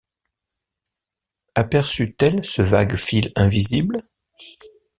Aperçut-elle ce vague fil invisible?